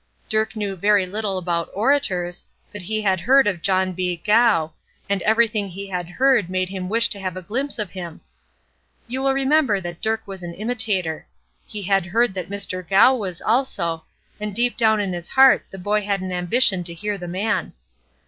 Dirk knew very little about orators, but he had heard of John B. Gough, and everything he had heard made him wish to have a glimpse of him. You will remember that Dirk was an imitator. He had heard that Mr. Gough was also, and down deep in his heart the boy had an ambition to hear the man.